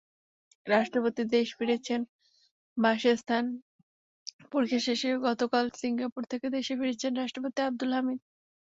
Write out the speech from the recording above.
রাষ্ট্রপতি দেশেফিরেছেন বাসসস্বাস্থ্য পরীক্ষা শেষে গতকাল সিঙ্গাপুর থেকে দেশে ফিরেছেন রাষ্ট্রপতি আবদুল হামিদ।